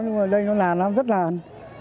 biển cảnh báo nhưng mà đây nó làn lắm rất làn